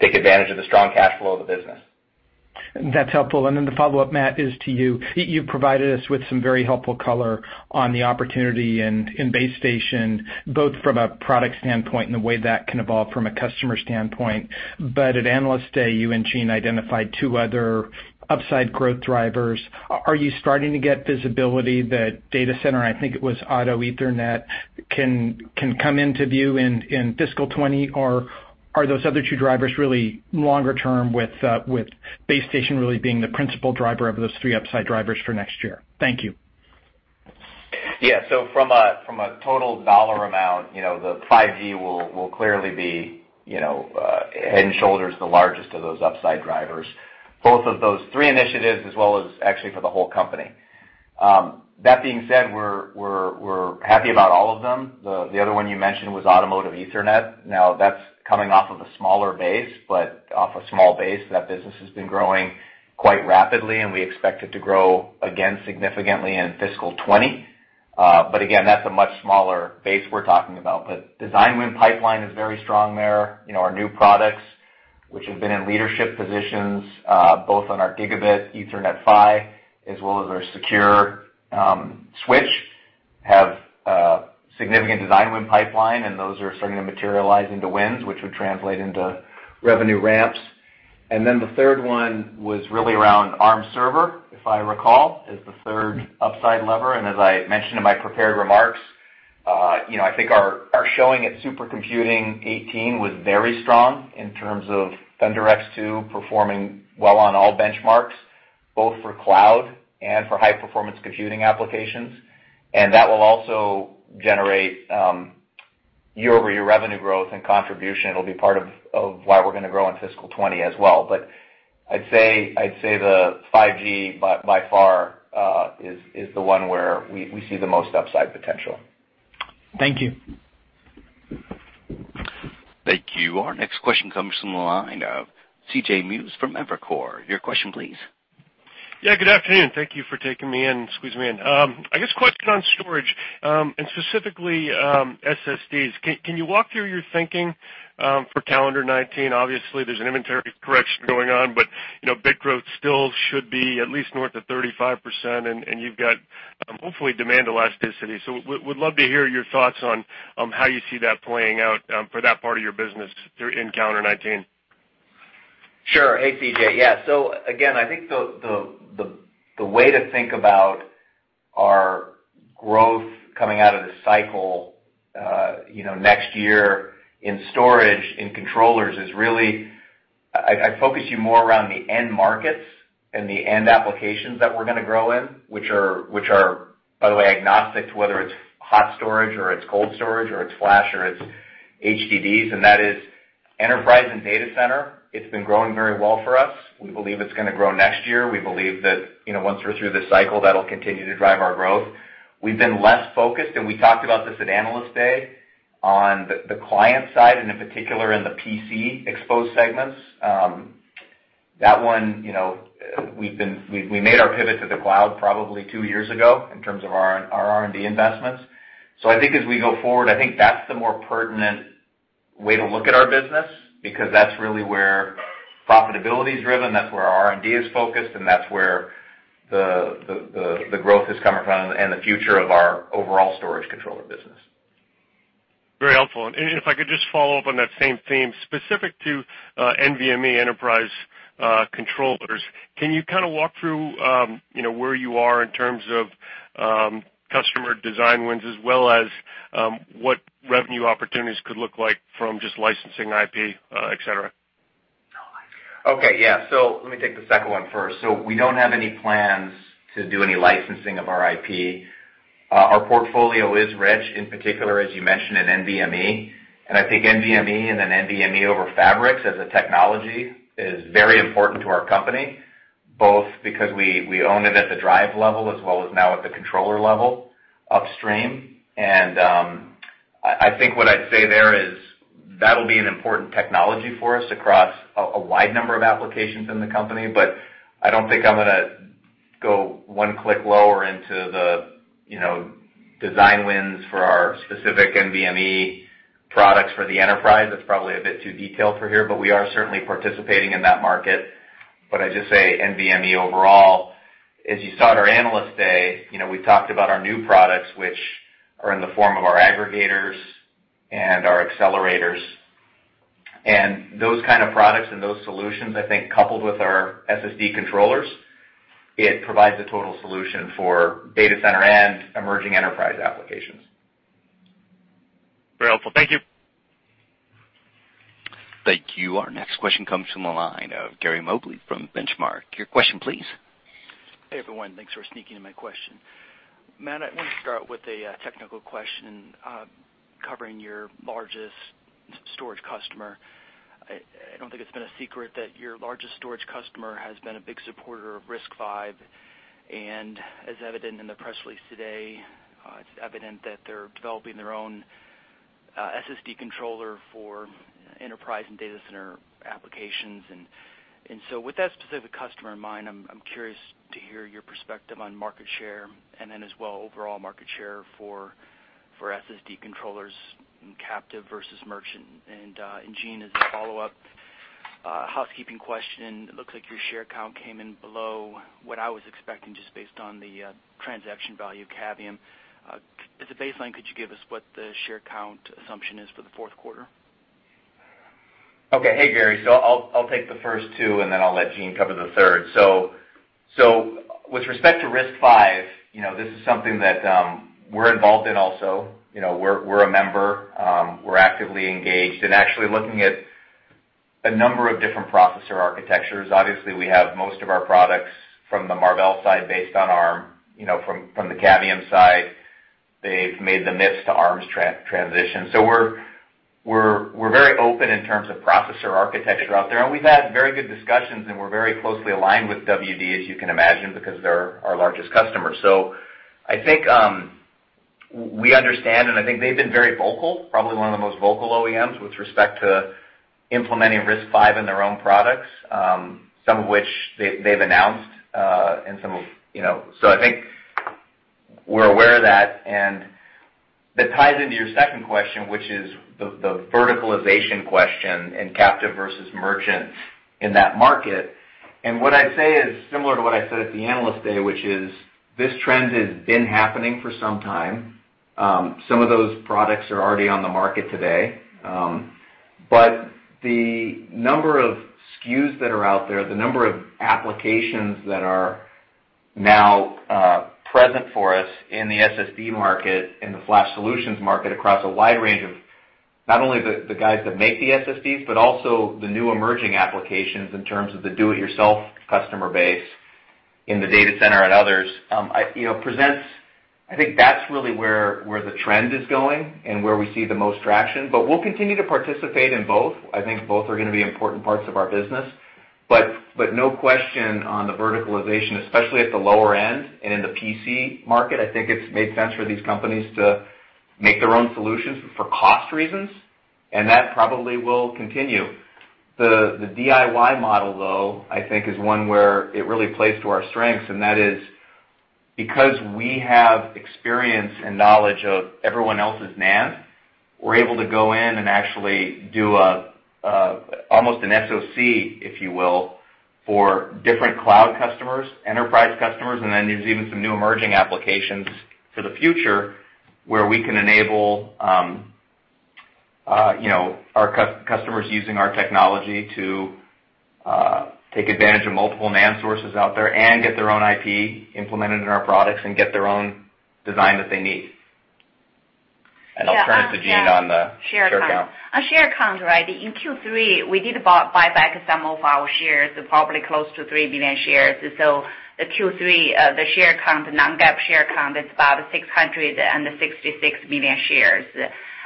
take advantage of the strong cash flow of the business. That's helpful. The follow-up, Matt, is to you. You provided us with some very helpful color on the opportunity and in Base Station, both from a product standpoint and the way that can evolve from a customer standpoint. At Analyst Day, you and Jean identified two other upside growth drivers. Are you starting to get visibility that data center, and I think it was Automotive Ethernet, can come into view in FY 2020? Are those other two drivers really longer term with Base Station really being the principal driver of those three upside drivers for next year? Thank you. From a total dollar amount, the 5G will clearly be head and shoulders the largest of those upside drivers, both of those three initiatives as well as actually for the whole company. That being said, we're happy about all of them. The other one you mentioned was Automotive Ethernet. That's coming off of a smaller base, but off a small base, that business has been growing quite rapidly, and we expect it to grow again significantly in FY 2020. Again, that's a much smaller base we're talking about. Design win pipeline is very strong there. Our new products, which have been in leadership positions both on our Gigabit Ethernet PHY as well as our secure switch, have significant design win pipeline, and those are starting to materialize into wins, which would translate into revenue ramps. The third one was really around Arm server, if I recall, as the third upside lever. As I mentioned in my prepared remarks, I think our showing at Supercomputing '18 was very strong in terms of ThunderX2 performing well on all benchmarks, both for cloud and for high performance computing applications. That will also generate year-over-year revenue growth and contribution will be part of why we're going to grow in FY 2020 as well. I'd say the 5G, by far, is the one where we see the most upside potential. Thank you. Thank you. Our next question comes from the line of CJ Muse from Evercore. Your question, please. Yeah, good afternoon. Thank you for taking me in, squeezing me in. I guess question on storage, and specifically SSDs. Can you walk through your thinking for calendar 2019? Obviously, there's an inventory correction going on, but bit growth still should be at least north of 35%, and you've got, hopefully, demand elasticity. Would love to hear your thoughts on how you see that playing out for that part of your business in calendar 2019. Sure. Hey, CJ. Yeah. Again, I think the way to think about our growth coming out of the cycle next year in storage and controllers is really, I'd focus you more around the end markets and the end applications that we're going to grow in, which are, by the way, agnostic to whether it's hot storage or it's cold storage or it's flash or it's HDDs, and that is enterprise and data center. It's been growing very well for us. We believe it's going to grow next year. We believe that, once we're through the cycle, that'll continue to drive our growth. We've been less focused, and we talked about this at Analyst Day, on the client side, and in particular in the PC exposed segments. That one, we made our pivot to the cloud probably two years ago in terms of our R&D investments. I think as we go forward, I think that's the more pertinent way to look at our business, because that's really where profitability is driven, that's where our R&D is focused, and that's where the growth is coming from and the future of our overall storage controller business. Very helpful. If I could just follow up on that same theme, specific to NVMe enterprise controllers, can you walk through where you are in terms of customer design wins as well as what revenue opportunities could look like from just licensing IP, et cetera? Okay. Yeah. Let me take the second one first. We don't have any plans to do any licensing of our IP. Our portfolio is rich, in particular, as you mentioned, in NVMe. I think NVMe and then NVMe over Fabrics as a technology is very important to our company, both because we own it at the drive level as well as now at the controller level upstream. I think what I'd say there is that'll be an important technology for us across a wide number of applications in the company, but I don't think I'm going to go one click lower into the design wins for our specific NVMe products for the enterprise. That's probably a bit too detailed for here, but we are certainly participating in that market. I just say NVMe overall, as you saw at our Analyst Day, we talked about our new products, which are in the form of our aggregators and our accelerators. Those kind of products and those solutions, I think coupled with our SSD controllers, it provides a total solution for data center and emerging enterprise applications. Very helpful. Thank you. Thank you. Our next question comes from the line of Gary Mobley from The Benchmark Company. Your question, please. Hey, everyone. Thanks for sneaking in my question. Matt, I want to start with a technical question covering your largest storage customer. I don't think it's been a secret that your largest storage customer has been a big supporter of RISC-V, as evident in the press release today, it's evident that they're developing their own SSD controller for enterprise and data center applications. With that specific customer in mind, I'm curious to hear your perspective on market share, then as well, overall market share for SSD controllers in captive versus merchant. Jean, as a follow-up, a housekeeping question. It looks like your share count came in below what I was expecting, just based on the transaction value of Cavium. As a baseline, could you give us what the share count assumption is for the fourth quarter? Okay. Hey, Gary. I'll take the first two, then I'll let Jean cover the third. With respect to RISC-V, this is something that we're involved in also. We're a member. We're actively engaged and actually looking at a number of different processor architectures. Obviously, we have most of our products from the Marvell side based on Arm. From the Cavium side, they've made the MIPS to Arm transition. We're very open in terms of processor architecture out there, and we've had very good discussions, and we're very closely aligned with WD, as you can imagine, because they're our largest customer. I think we understand, and I think they've been very vocal, probably one of the most vocal OEMs with respect to implementing RISC-V in their own products, some of which they've announced. I think we're aware of that, and that ties into your second question, which is the verticalization question and captive versus merchant in that market. What I'd say is similar to what I said at the Analyst Day, which is this trend has been happening for some time. Some of those products are already on the market today. The number of SKUs that are out there, the number of applications that are now present for us in the SSD market, in the flash solutions market, across a wide range of not only the guys that make the SSDs, but also the new emerging applications in terms of the DIY customer base in the data center and others, presents, I think that's really where the trend is going and where we see the most traction. We'll continue to participate in both. I think both are going to be important parts of our business. No question on the verticalization, especially at the lower end and in the PC market, I think it's made sense for these companies to make their own solutions for cost reasons, and that probably will continue. The DIY model, though, I think is one where it really plays to our strengths, and that is because we have experience and knowledge of everyone else's NAND, we're able to go in and actually do almost an SoC, if you will, for different cloud customers, enterprise customers, and then there's even some new emerging applications to the future where we can enable our customers using our technology to take advantage of multiple NAND sources out there and get their own IP implemented in our products and get their own design that they need. I'll turn it to Jean on the share count. On share count, right. In Q3, we did buy back some of our shares, probably close to 3 million shares. The Q3, the share count, non-GAAP share count is about 666 million shares.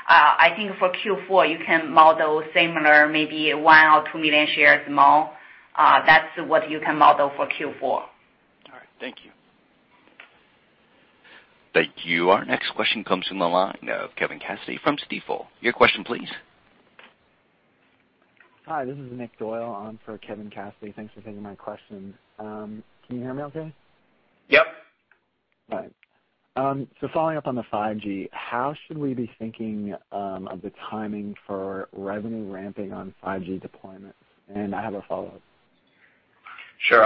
I think for Q4, you can model similar, maybe one or two million shares more. That's what you can model for Q4. All right. Thank you. Thank you. Our next question comes from the line of Kevin Cassidy from Stifel. Your question please. Hi, this is Nick Doyle on for Kevin Cassidy. Thanks for taking my question. Can you hear me okay? Yep. Right. Following up on the 5G, how should we be thinking of the timing for revenue ramping on 5G deployments? I have a follow-up. Sure.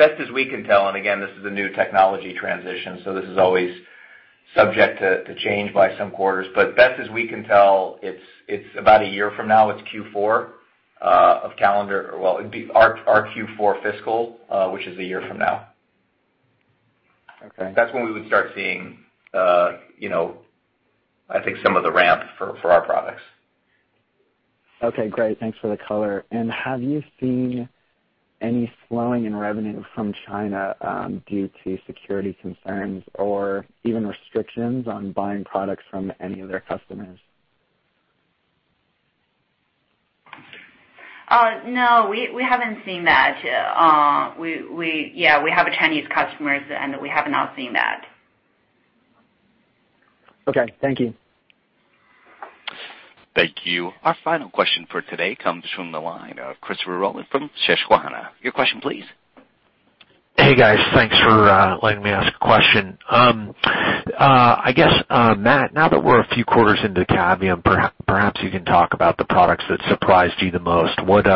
Best as we can tell, and again, this is a new technology transition, so this is always subject to change by some quarters, but best as we can tell, it's about a year from now. It's Q4 of calendar. Well, it'd be our Q4 fiscal, which is a year from now. Okay. That's when we would start seeing I think some of the ramp for our products. Okay, great. Thanks for the color. Have you seen any slowing in revenue from China, due to security concerns or even restrictions on buying products from any of their customers? No. We haven't seen that. We have Chinese customers, and we have not seen that. Okay. Thank you. Thank you. Our final question for today comes from the line of Christopher Rolland from Susquehanna. Your question please. Hey, guys. Thanks for letting me ask a question. I guess, Matt, now that we're a few quarters into Cavium, perhaps you can talk about the products that surprised you the most. What's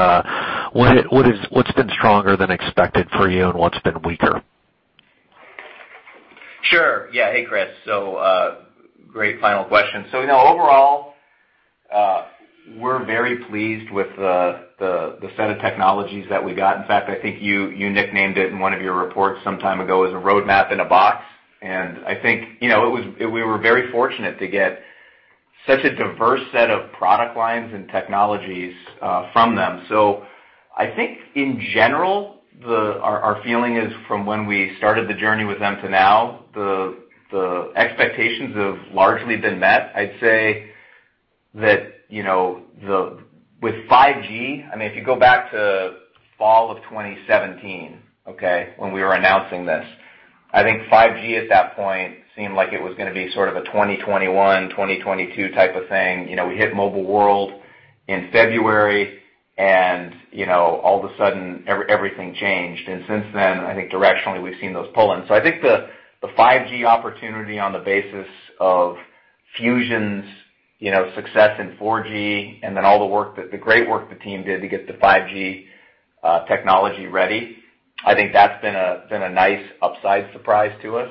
been stronger than expected for you and what's been weaker? Sure. Yeah. Hey, Chris. Great final question. Overall, we're very pleased with the set of technologies that we got. In fact, I think you nicknamed it in one of your reports some time ago as a roadmap in a box, I think we were very fortunate to get such a diverse set of product lines and technologies from them. I think in general, our feeling is from when we started the journey with them to now, the expectations have largely been met. I'd say that with 5G, if you go back to fall of 2017, okay, when we were announcing this, I think 5G at that point seemed like it was going to be sort of a 2021, 2022 type of thing. We hit Mobile World in February, All of a sudden everything changed, Since then, I think directionally we've seen those pull in. I think the 5G opportunity on the basis of Fusion's success in 4G and then all the great work the team did to get the 5G technology ready, I think that's been a nice upside surprise to us.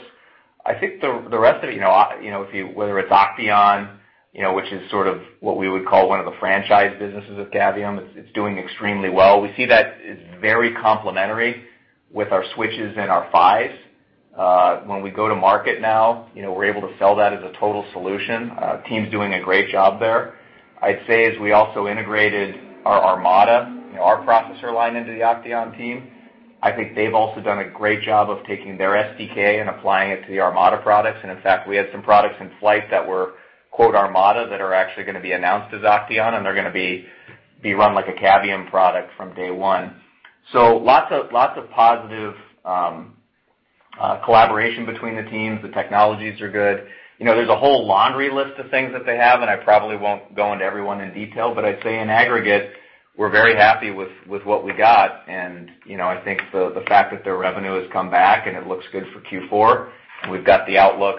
I think the rest of it, whether it's OCTEON, which is sort of what we would call one of the franchise businesses of Cavium, it's doing extremely well. We see that it's very complementary with our switches and our PHYs. When we go to market now, we're able to sell that as a total solution. Team's doing a great job there. I'd say as we also integrated our ArmADA, our processor line into the OCTEON team, I think they've also done a great job of taking their SDK and applying it to the ArmADA products. In fact, we had some products in flight that were, quote, ArmADA that are actually going to be announced as OCTEON and they're going to be run like a Cavium product from day one. Lots of positive collaboration between the teams. The technologies are good. There's a whole laundry list of things that they have, and I probably won't go into every one in detail, but I'd say in aggregate, we're very happy with what we got, and I think the fact that their revenue has come back and it looks good for Q4, and we've got the outlook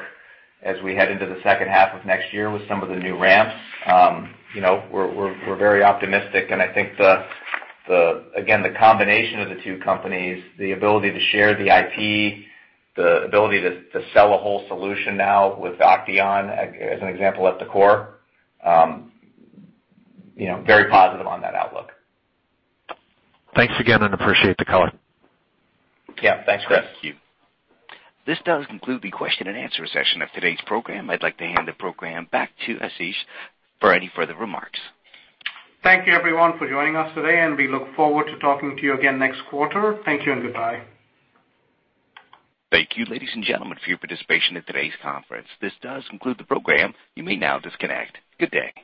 as we head into the second half of next year with some of the new ramps, we're very optimistic. I think, again, the combination of the two companies, the ability to share the IP, the ability to sell a whole solution now with OCTEON as an example at the core, very positive on that outlook. Thanks again and appreciate the color. Yeah. Thanks, Chris. Thank you. This does conclude the question and answer session of today's program. I'd like to hand the program back to Ashish for any further remarks. Thank you, everyone, for joining us today, and we look forward to talking to you again next quarter. Thank you and goodbye. Thank you, ladies and gentlemen, for your participation in today's conference. This does conclude the program. You may now disconnect. Good day.